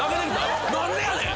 何でやねん！